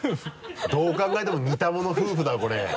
どう考えても似たもの夫婦だろこれ。